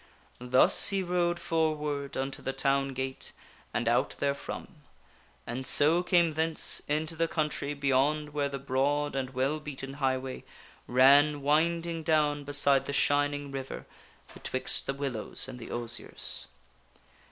Thus he rode forward unto the town gate, and out therefrom, and so came thence into the country beyond where the broad and well beaten highway ran winding down beside the shining river betwixt the willows and the osiers.